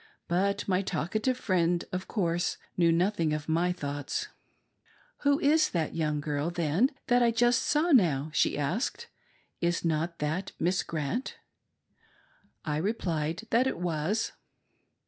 But my talkative friend, of course, knew nothing of my thoughts. "Who is that young girl, then, that I saw just now?" she askfcd; "Is not that Miss Grant ?" I replied that it was.